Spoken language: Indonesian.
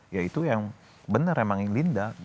ya itu yang benar emang yang linda